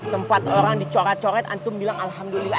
tempat orang dicoret coret antum bilang alhamdulillah